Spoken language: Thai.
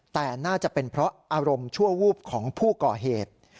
แต่น่าจะเป็นเพราะอารมณ์ชั่ววูบของผู้ก่อเหตุ